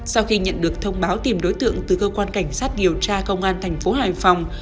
sau khi nhận được thông báo tìm đối tượng từ cơ quan cảnh sát điều tra công an thành phố hải phòng